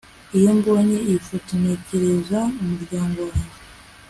Iyo mbonye iyi foto ntekereza umuryango wanjye